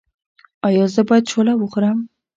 ایا زه باید شوله وخورم؟